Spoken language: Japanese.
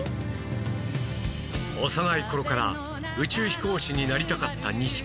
幼い頃から宇宙飛行士になりたかった西川